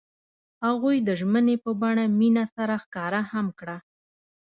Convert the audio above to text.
هغوی د ژمنې په بڼه مینه سره ښکاره هم کړه.